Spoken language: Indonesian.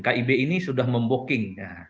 kib ini sudah memboking